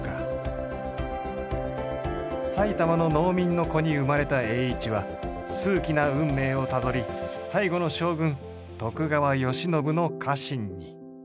埼玉の農民の子に生まれた栄一は数奇な運命をたどり最後の将軍徳川慶喜の家臣に。